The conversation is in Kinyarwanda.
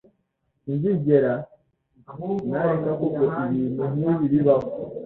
Sinzigera nareka ngo ibintu nk'ibi bibeho.